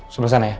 sebelah sana ya